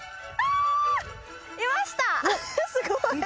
すごい。